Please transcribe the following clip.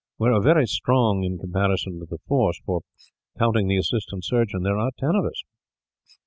We are very strong in comparison to the force for, counting the assistant surgeon, there are ten of us."